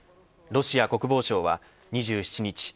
ロシア国防省は２７日